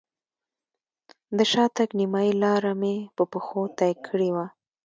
د شاتګ نیمایي لاره مې په پښو طی کړې وه.